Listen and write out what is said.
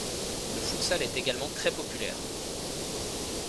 Le futsal est également très populaire.